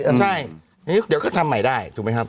ใช่เดี๋ยวก็ทำใหม่ได้ถูกไหมครับ